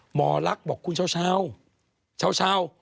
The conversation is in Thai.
หมอลักษณ์บอกคุณเช้าเช้า